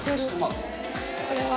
これは。